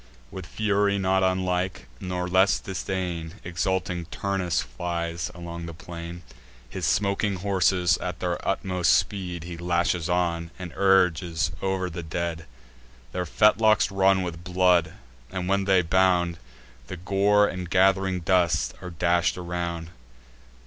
With fury not unlike, nor less disdain, Exulting Turnus flies along the plain: His smoking horses, at their utmost speed, He lashes on, and urges o'er the dead. Their fetlocks run with blood; and, when they bound, The gore and gath'ring dust are dash'd around.